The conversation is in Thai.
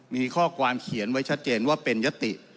มีข้อความเขียนไว้ชัดเจนว่าเป็นยติ